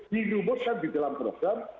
dilumuskan di dalam program